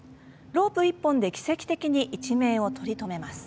ロープ１本で奇跡的に一命を取り留めます。